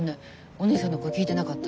お姉さんの声聴いてなかった。